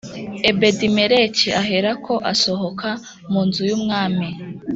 Ebedimeleki aherako asohoka mu nzu y umwami